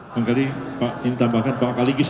mungkin pak ingin tambahkan pak kaligis